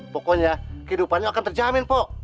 pokoknya kehidupannya akan terjamin po